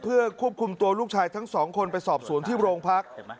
เพื่อควบคุมตัวลูกชายทั้งสองคนไปสอบสวนที่โรงพัก